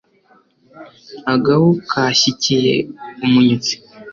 agahu kashyikiye umunyutsi